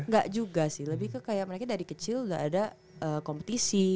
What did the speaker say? gak juga sih lebih ke kayak mereka dari kecil gak ada kompetisi